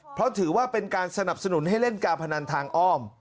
เพราะถือว่าเป็นการสนับสนุนให้เล่นการพนันทางอ้อม